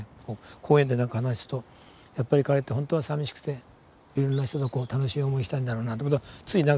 講演でなんかで話するとやっぱり彼ってほんとはさみしくていろんな人と楽しい思いしたいんだろうなって事は。